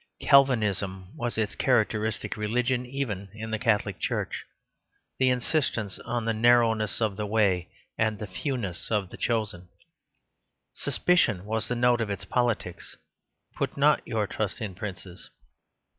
Calvinism was its characteristic religion, even in the Catholic Church, the insistence on the narrowness of the way and the fewness of the chosen. Suspicion was the note of its politics "put not your trust in princes."